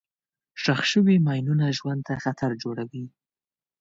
ښخ شوي ماینونه ژوند ته خطر جوړوي.